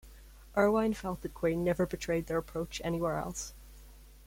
Erlewine felt that Queen "never bettered their approach anywhere else".